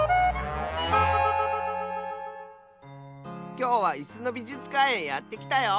きょうはイスのびじゅつかんへやってきたよ！